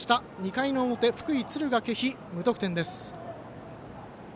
２回の表福井、敦賀気比、無得点です。